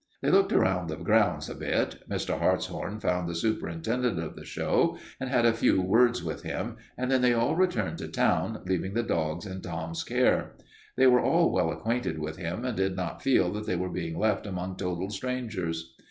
They looked around the grounds a bit. Mr. Hartshorn found the superintendent of the show and had a few words with him, and then they all returned to town, leaving the dogs in Tom's care. They were all well acquainted with him and did not feel that they were being left among total strangers.